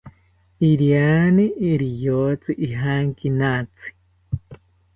Iriani riyotzi ijankinatzi